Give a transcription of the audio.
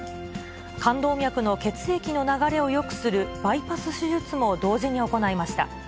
冠動脈の血液の流れをよくするバイパス手術も同時に行いました。